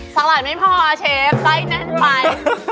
สาหร่ายไม่พอเชฟไล่แน่นไป